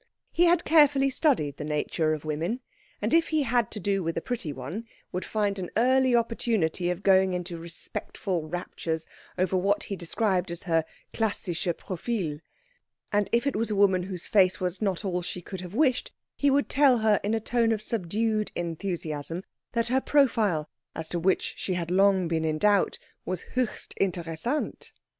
He had carefully studied the nature of women, and if he had to do with a pretty one would find an early opportunity of going into respectful raptures over what he described as her klassisches Profil; and if it was a woman whose face was not all she could have wished, he would tell her, in a tone of subdued enthusiasm, that her profile, as to which she had long been in doubt, was höchst interessant.